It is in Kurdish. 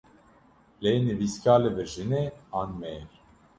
Lê nivîskar li vir jin e, an mêr?